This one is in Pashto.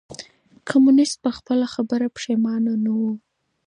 کمونيسټ په خپله خبره پښېمانه نه و.